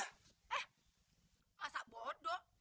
eh masa bodoh